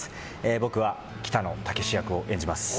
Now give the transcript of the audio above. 僕は北野武役を演じます。